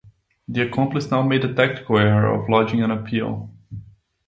The accomplice now made the tactical error of lodging an appeal.